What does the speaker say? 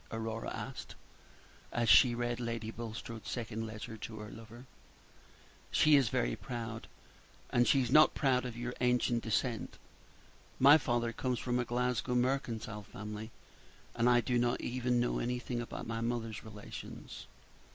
Aurora asked, as she read Lady Bulstrode's second letter to her lover. "She is very proud, is she not proud of your ancient descent. My father comes from a Glasgow mercantile family, and I do not even know anything about my mother's relations."